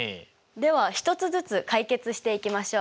では１つずつ解決していきましょう。